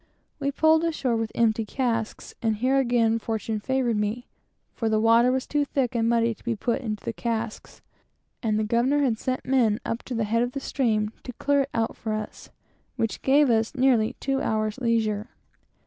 We pulled ashore with the empty casks; and here again fortune favored me, for the water was too thick and muddy to be put into the casks, and the governor had sent men up to the head of the stream to clear it out for us, which gave us nearly two hours of leisure.